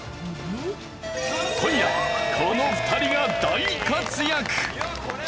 今夜この２人が大活躍！